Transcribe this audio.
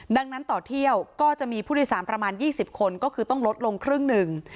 ดังนั้นต่อเที่ยวก็จะมีผู้โดยสารประมาณ๒๐คนก็คือต้องลดลงครึ่งหนึ่ง